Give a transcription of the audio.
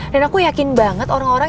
dan aku yakin banget orang orang